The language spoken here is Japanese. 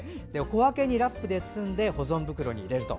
小分けにラップで包んで保存袋に入れると。